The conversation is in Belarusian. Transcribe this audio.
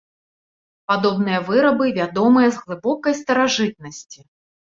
Падобныя вырабы вядомыя з глыбокай старажытнасці.